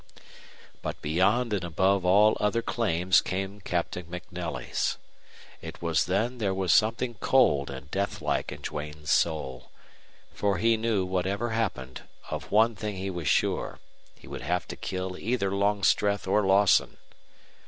But beyond and above all other claims came Captain MacNelly's. It was then there was something cold and death like in Duane's soul. For he knew, whatever happened, of one thing he was sure he would have to kill either Longstreth or Lawson.